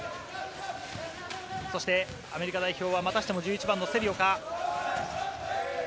そしてアメリカ代表は、またしても１１番のセリオか？